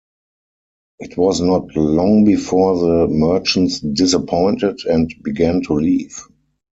It was not long before the merchants disappointed and began to leave.